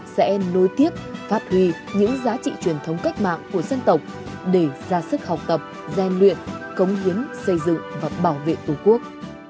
sẽ nối tiếp phát huy những giá trị truyền thống cách mạng của dân tộc để ra sức học tập gian luyện cống hiến xây dựng và bảo vệ tổ quốc